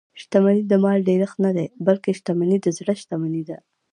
شتمني د مال ډېرښت نه دئ؛ بلکي شتمني د زړه شتمني ده.